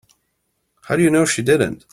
How do you know she didn't?